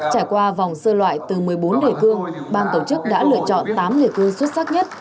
trải qua vòng sơ loại từ một mươi bốn đề cương ban tổ chức đã lựa chọn tám đề cương xuất sắc nhất